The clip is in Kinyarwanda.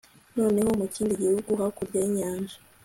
noneho mu kindi gihugu hakurya y'inyanja